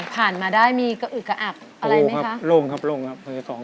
พันหน้าเกิดอะไรเป็น